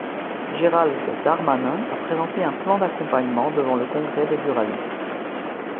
Gérald Darmanin a présenté un plan d’accompagnement devant le Congrès des buralistes.